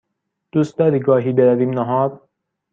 دوست داری گاهی برویم نهار؟